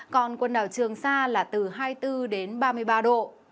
còn quần đảo trường sa là từ hai mươi bốn đến ba mươi ba độ